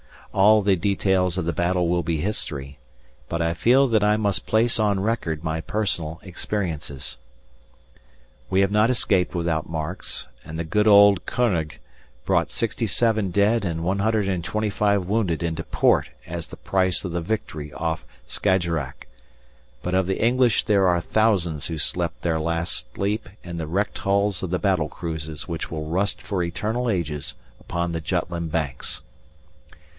All the details of the battle will be history, but I feel that I must place on record my personal experiences. We have not escaped without marks, and the good old König brought 67 dead and 125 wounded into port as the price of the victory off Skajerack, but of the English there are thousands who slept their last sleep in the wrecked hulls of the battle cruisers which will rust for eternal ages upon the Jutland banks.